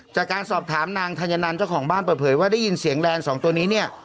จากการสอบถามนางธัญนันเจ้าของบ้านเปิดเผยว่าได้ยินเสียงแลนด์สองตัวนี้เนี่ย